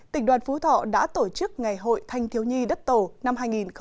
tỉnh đoàn phú thọ đã tổ chức ngày hội thanh thiếu nhi đất tổ năm hai nghìn một mươi chín